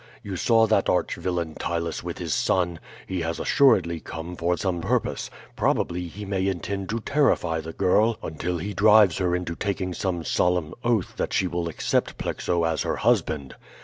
You saw that arch villain Ptylus with his son. He has assuredly come for some purpose; probably he may intend to terrify the girl until he drives her into taking some solemn oath that she will accept Plexo as her husband.